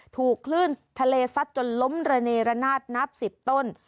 ถูกคลื่นทะเลซัดจนล้มระเนรนาศนับ๑๐ต้น